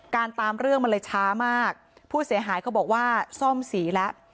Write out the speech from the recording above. ตามเรื่องมันเลยช้ามากผู้เสียหายก็บอกว่าซ่อมสีแล้ว